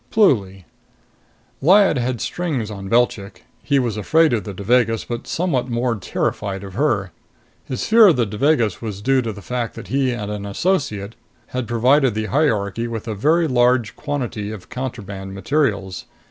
Pluly: Lyad had strings on Belchik. He was afraid of the Devagas but somewhat more terrified of her. His fear of the Devagas was due to the fact that he and an associate had provided the hierarchy with a very large quantity of contraband materials.